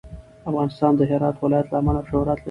افغانستان د هرات د ولایت له امله شهرت لري.